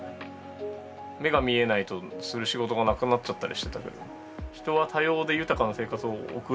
目が見えないとする仕事がなくなっちゃったりしてたけど。